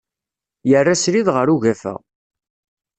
Yerra srid ɣer ugafa.